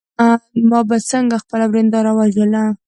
ما به څنګه خپله ورېنداره وژله.